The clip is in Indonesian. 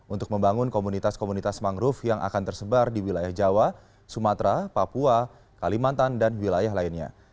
untuk membangun komunitas komunitas mangrove yang akan tersebar di wilayah jawa sumatera papua kalimantan dan wilayah lainnya